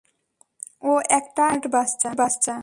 ও একটা স্মার্ট বাচ্চা।